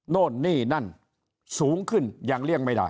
โน่นนี่นั่นสูงขึ้นยังเลี่ยงไม่ได้